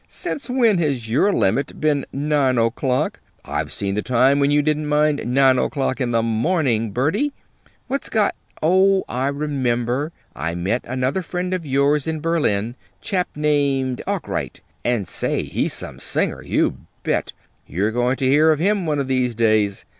"Since when has your limit been nine o'clock? I've seen the time when you didn't mind nine o'clock in the morning, Bertie! What's got Oh, I remember. I met another friend of yours in Berlin; chap named Arkwright and say, he's some singer, you bet! You're going to hear of him one of these days.